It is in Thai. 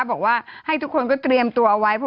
บอกว่าให้ทุกคนก็เตรียมตัวเอาไว้